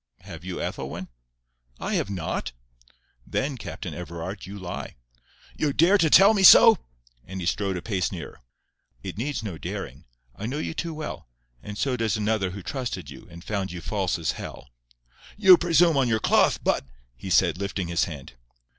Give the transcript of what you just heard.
"Have you, Ethelwyn?" "I have not." "Then, Captain Everard, you lie." "You dare to tell me so?" And he strode a pace nearer. "It needs no daring. I know you too well; and so does another who trusted you and found you false as hell." "You presume on your cloth, but—" he said, lifting his hand.